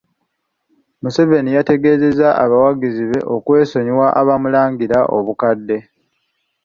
Museveni yategeezezza abawagizi be okwesonyiwa abamulangira obukadde.